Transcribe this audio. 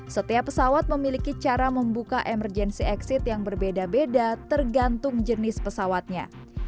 setiap pesawat memiliki cara membuka emergency exit yang berbeda beda tergantung jenis pesawatnya